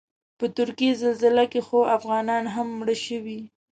په ترکیې زلزله کې خو افغانان هم مړه شوي.